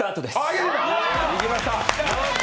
いきました。